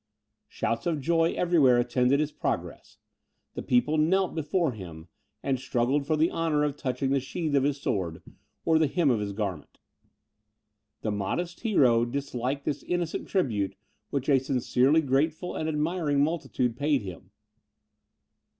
Shouts of joy everywhere attended his progress; the people knelt before him, and struggled for the honour of touching the sheath of his sword, or the hem of his garment. The modest hero disliked this innocent tribute which a sincerely grateful and admiring multitude paid him.